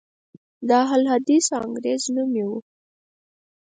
د اهل حدیث وانګریز نوم یې و.